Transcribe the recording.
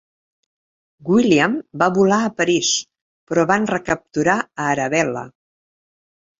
William va volar a París, però van recapturar a Arabella.